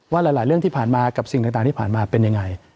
หลายเรื่องที่ผ่านมากับสิ่งต่างที่ผ่านมาเป็นยังไง